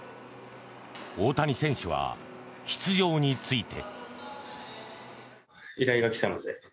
大谷選手は出場について。